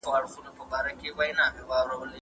وچکالي د تاریخ په اوږدو کي خلک ځورولي دي.